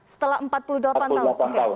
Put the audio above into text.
setelah empat puluh delapan tahun